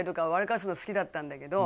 かすの好きだったんだけど